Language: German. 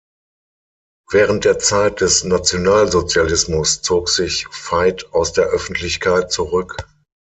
Während der Zeit des Nationalsozialismus zog sich Veit aus der Öffentlichkeit zurück.